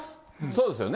そうですよね。